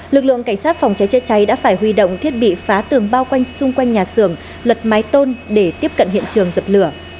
lực lượng cảnh sát phòng cháy chữa cháy đã phải huy động thiết bị phá tường bao quanh xung quanh nhà xưởng lật mái tôn để tiếp cận hiện trường dập lửa